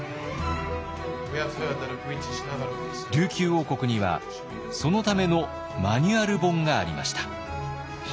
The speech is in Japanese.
琉球王国にはそのためのマニュアル本がありました。